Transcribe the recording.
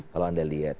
kalau anda lihat